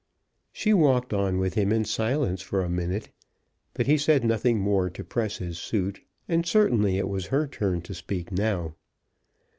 She walked on with him in silence for a minute; but he said nothing more to press his suit, and certainly it was her turn to speak now.